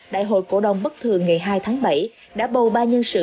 đại hội cổ đồng bất thường ngày hai tháng bảy đã bầu ba nhân sự